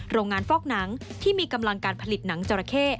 โรงงานฟอกหนังที่มีกำลังการผลิตหนังจราเข้